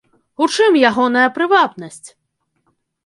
У чым ягоная прывабнасць?